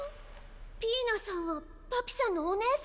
ピイナさんはパピさんのお姉さん？